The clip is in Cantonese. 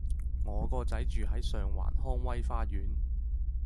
我個仔住喺上環康威花園